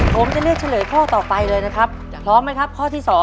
ผมจะเลือกเฉลยข้อต่อไปเลยนะครับพร้อมไหมครับข้อที่๒